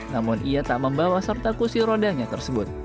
namun ia tak membawa serta kursi rodanya tersebut